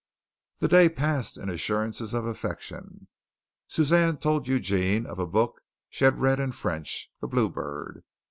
The day passed in assurances of affection. Suzanne told Eugene of a book she had read in French, "The Blue Bird."